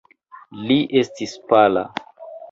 Li estis pala.